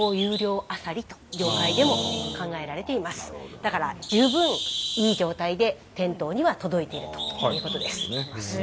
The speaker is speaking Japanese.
だから十分いい状態で店頭には届いているということです。